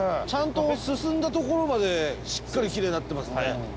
ちゃんと進んだところまでしっかりきれいになってますね。